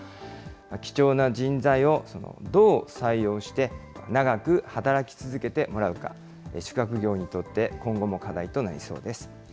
貴重な人材をどう採用して、長く働き続けてもらうか、宿泊業にとって今後も課題となりそうです。